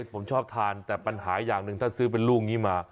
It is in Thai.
ผมชอบทานแต่ปัญหาอย่างหนึ่งถ้าซื้อเป็นลูกนี้มา